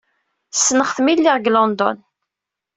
Ssneɣ-t mi lliɣ deg London.